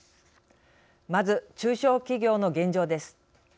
まず中小企業の現状です。